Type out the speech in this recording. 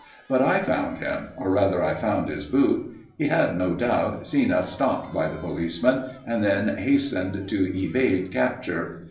But I found him, or, rather, I found his boot. He had, no doubt, seen us stopped by the policeman, and then hastened to evade capture.